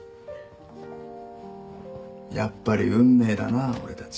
やっぱり運命だな俺たち。